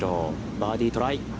バーディートライ。